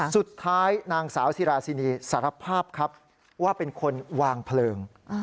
สุดท้ายนางสาวสิราสินีสารภาพครับว่าเป็นคนวางเพลิง